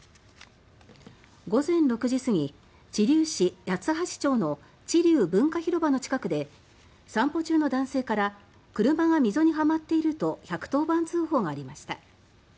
午前６時過ぎ、知立市八橋町の知立文化広場の近くで散歩中の男性から車が溝にはまっていると１１０番通報がありました。